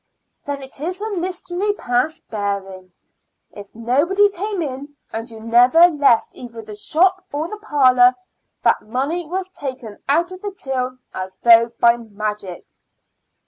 "Then it is a mystery past bearing. If nobody came in, and you never left either the shop or the parlor, that money was taken out of the till as though by magic."